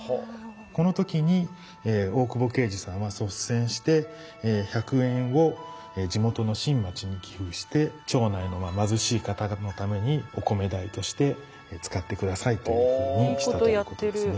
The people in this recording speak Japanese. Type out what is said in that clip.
この時に大久保敬次さんは率先して百円を地元の新町に寄付して町内の貧しい方々のためにお米代として使って下さいというふうにしたということですね。